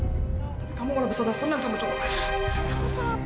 tapi kamu malah bersalah senang sama cowok lain